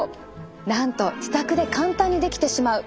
なんと自宅で簡単にできてしまう。